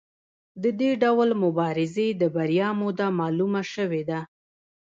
د دې ډول مبارزې د بریا موده معلومه شوې ده.